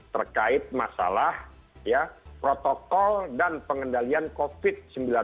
terkait masalah protokol dan pengendalian covid sembilan belas